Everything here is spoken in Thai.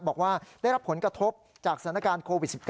บอกว่าได้รับผลกระทบจากสถานการณ์โควิด๑๙